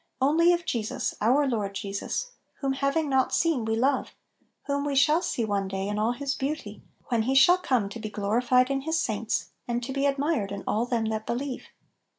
Only of Jesus, our Lord Jesus, whom having not seen we love, whom we shall see one day in all His beauty, " when He shall come to be glorified in His saints, and to be admired in all them that believe